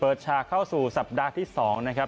ฉากเข้าสู่สัปดาห์ที่๒นะครับ